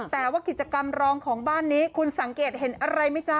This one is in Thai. แต่ว่ากิจกรรมรองของบ้านนี้คุณสังเกตเห็นอะไรไหมจ๊ะ